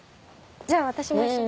じゃあ私も一緒に。